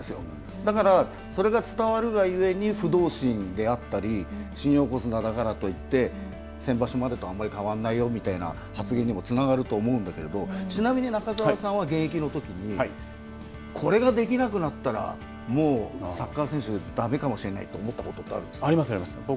だから、それが伝わるがゆえに不動心であったり新横綱だからといって先場所までとあまり変わらないよという発言にもつながると思うんだけどちなみに中澤さんは現役のときにこれができなくなったらもうサッカー選手だめかもしれないとあります、あります。